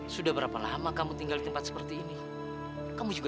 sama papa juga